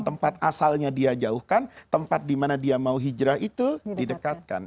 tempat asalnya dia jauhkan tempat di mana dia mau hijrah itu didekatkan